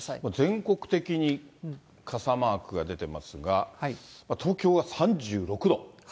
全国的に傘マークが出てますが、東京は３６度。